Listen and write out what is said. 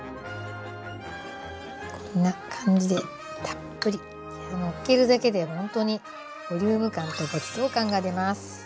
こんな感じでたっぷりのっけるだけでほんとにボリューム感とごちそう感が出ます。